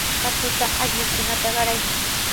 Katuta allqukunata qaray.